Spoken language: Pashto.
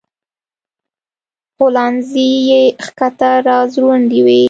غولانځې يې ښکته راځوړندې وې